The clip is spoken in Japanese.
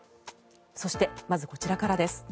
そして、まずこちらからです。